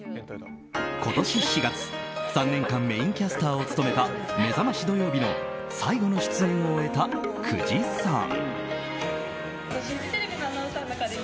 今年４月、３年間メインキャスターを務めた「めざましどようび」の最後の出演を終えた久慈さん。